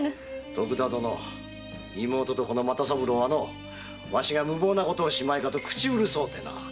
徳田殿妹とこの又三郎はわしが無謀なことをしまいかと口うるそうてな。